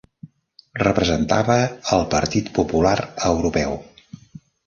Representava al Partit Popular Europeu.